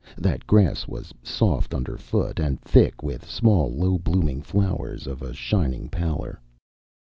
That grass was soft under foot, and thick with small, low blooming flowers of a shining pallor.